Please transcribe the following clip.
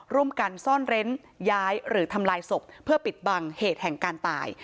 ร่วมกันซ่อนเร้นย้ายหรือทำลายศพเพื่อปิดบังเหตุแห่งการตาย